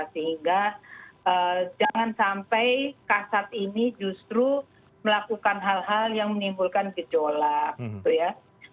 sehingga jangan sampai kasat ini justru melakukan hal hal yang menimbulkan gejolak gitu ya